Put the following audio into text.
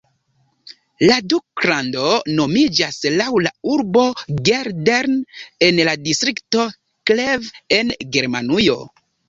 La duklando nomiĝas laŭ la urbo Geldern en la distrikto Kleve en Germanujo.